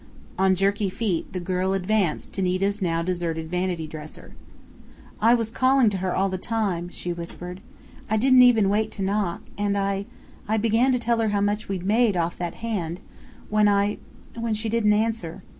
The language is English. On jerky feet the girl advanced to Nita's now deserted vanity dresser. "I I was calling to her all the time," she whispered. "I didn't even wait to knock, and I I began to tell her how much we'd made off that hand, when I when she didn't answer....